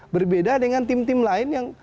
berbeda dengan tim tim lain yang